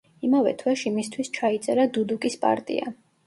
იმავე თვეში მისთვის ჩაიწერა დუდუკის პარტია.